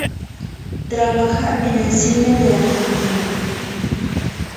Trabaja en el cine de la Argentina.